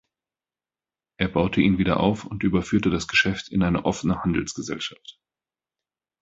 Er baute ihn wieder auf und überführte das Geschäft in eine offene Handelsgesellschaft.